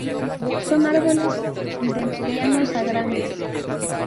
Son árboles, de medianos a grandes.